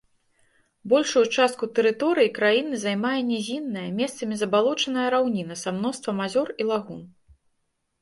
Большую частку тэрыторыі краіны займае нізінная, месцамі забалочаная раўніна са мноствам азёр і лагун.